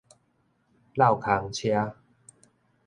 落空車